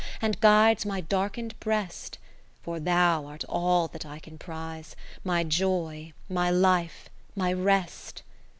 And guides my darkened breast : For thou art all that I can prize. My Joy, my Life, my Rest.